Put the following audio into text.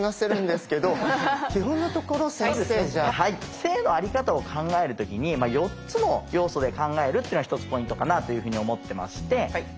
性のあり方を考える時に４つの要素で考えるっていうのは１つポイントかなあというふうに思ってまして。